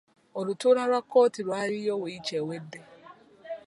Olutuula lwa kkooti lwaliyo wiiki ewedde.